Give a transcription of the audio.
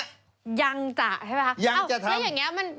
ยังจะใช่ไหมคะอยากจะทำยังอย่างนี้